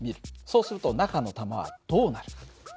そうすると中の玉はどうなる？